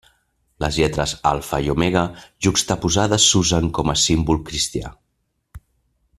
Les lletres Alfa i Omega juxtaposades s'usen com a símbol cristià.